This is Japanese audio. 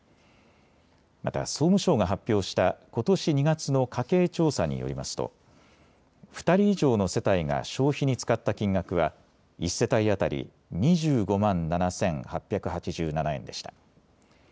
また総務省が発表したことし２月の家計調査によりますと２人以上の世帯が消費に使った金額は１世帯当たり、２５万７８８７円でした。